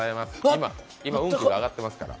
今、運気が上がってますから。